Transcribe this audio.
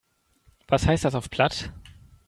Was heißt das auf Platt?